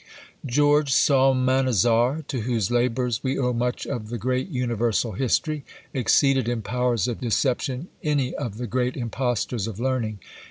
George Psalmanazar, to whose labours we owe much of the great Universal History, exceeded in powers of deception any of the great impostors of learning.